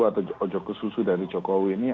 atau ojok kesusu dari jokowi ini